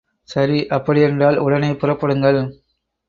சரி, அப்படி என்றால் உடனே புறப்படுங்கள்.